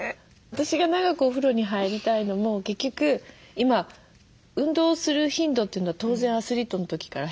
私が長くお風呂に入りたいのも結局今運動する頻度というのは当然アスリートの時から減ってるんですよね。